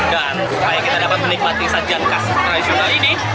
dan supaya kita dapat menikmati sajian khas nasional ini